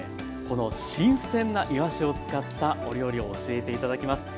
この新鮮ないわしを使ったお料理を教えて頂きます。